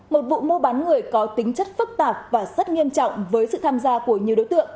một vụ mua bán người có tính chất phức tạp và rất nghiêm trọng với sự tham gia của nhiều đối tượng